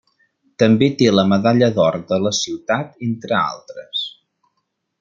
També té la medalla d'or de la ciutat entre altres.